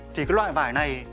thì loại vải này